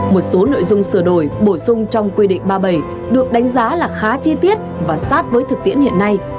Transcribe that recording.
một số nội dung sửa đổi bổ sung trong quy định ba mươi bảy được đánh giá là khá chi tiết và sát với thực tiễn hiện nay